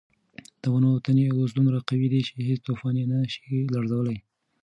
د ونو تنې اوس دومره قوي دي چې هیڅ طوفان یې نه شي لړزولی.